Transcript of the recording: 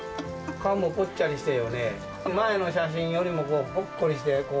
顔もぽっちゃりしてやね、前の写真よりもほっこりして、こう。